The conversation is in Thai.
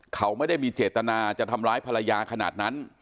เขาไม่ได้มีเจตนาจะทำร้ายภรรยาขนาดนั้น